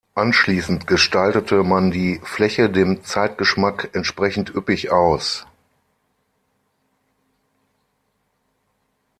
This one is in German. Anschließend gestaltete man die Fläche dem Zeitgeschmack entsprechend üppig aus.